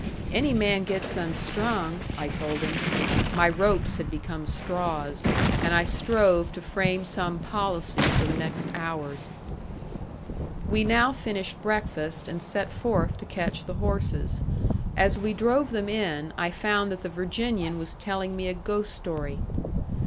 "Any man gets unstrung," I told him. My ropes had become straws; and I strove to frame some policy for the next hours. We now finished breakfast and set forth to catch the horses. As we drove them in I found that the Virginian was telling me a ghost story.